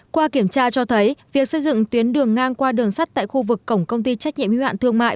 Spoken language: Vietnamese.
qua kiểm tra cho thấy việc xây dựng tuyến đường ngang qua đường sắt tại khu vực cổng công ty trách nhiệm hưu hạn thương mại